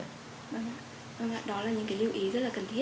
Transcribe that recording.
vâng đó là những cái lưu ý rất là cần thiết